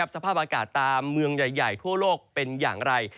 สภาพอากาศตามเมืองใหญ่ทั่วโลกเป็นอย่างไร